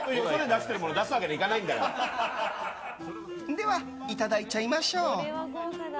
では、いただいちゃいましょう。